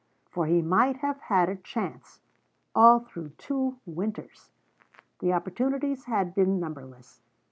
For he might have had a chance, all through two Winters. The opportunities had been numberless.